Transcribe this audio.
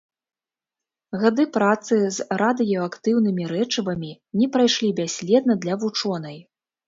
Гады працы з радыеактыўнымі рэчывамі не прайшлі бясследна для вучонай.